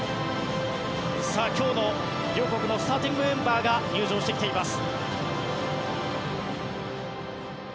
今日の両国のスターティングメンバーが入場してきています。